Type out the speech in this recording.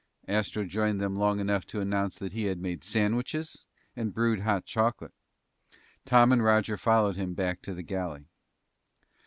Astro joined them long enough to announce that he had made sandwiches and brewed hot chocolate. Tom and Roger followed him back to the galley.